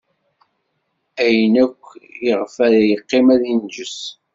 Ayen akk iɣef ara yeqqim ad inǧes.